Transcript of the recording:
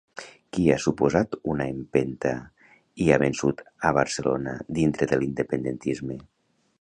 Qui ha suposat una empenta i ha vençut a Barcelona dintre de l'independentisme?